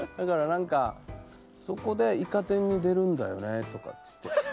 何かそこで「イカ天」に出るんだよねとかって。